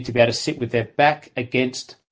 mereka harus bisa duduk dengan belakangnya